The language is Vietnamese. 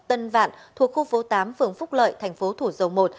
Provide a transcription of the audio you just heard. tân vạn thuộc khu phố tám phường phúc lợi thành phố thủ dầu một